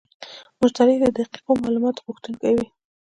مشتری د دقیقو معلوماتو غوښتونکی وي.